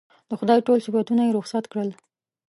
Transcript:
د خدای ټول صفتونه یې رخصت کړل.